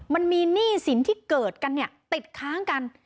หนี้สินที่เกิดกันเนี่ยติดค้างกัน